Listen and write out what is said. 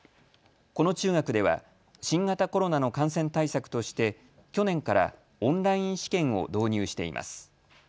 この中学では新型コロナの感染対策として去年からオンライン試験を導入しています。